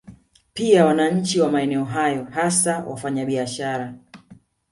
Pia wananchi wa maeneo hayo hasa wafanya biashara